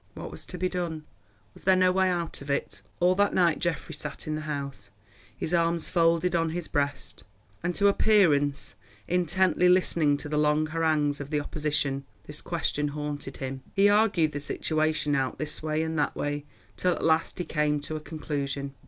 What was to be done? Was there no way out of it? All that night as Geoffrey sat in the House, his arms folded on his breast, and to appearance intently listening to the long harangues of the Opposition, this question haunted him. He argued the situation out this way and that way, till at the last he came to a conclusion.